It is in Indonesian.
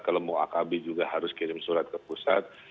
kalau mau akb juga harus kirim surat ke pusat